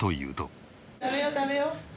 食べよう食べよう。